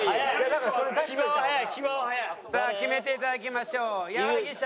さあ決めていただきましょう矢作舎。